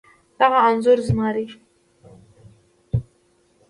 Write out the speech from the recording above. دغه انځور زما دی